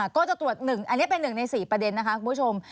ก็จะตรวจ๑อันนี้เป็น๑ใน๔ประเด็นนะคะคุณผู้ชม